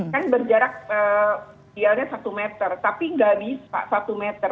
kan berjarak dia satu meter tapi nggak bisa satu meter